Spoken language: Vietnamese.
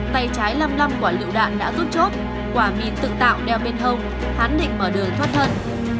tay trái lăm lăm quả lựu đạn đã rút chốt quả mìn tự tạo đeo bên hông hắn định mở đường thoát thân